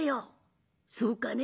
「そうかね。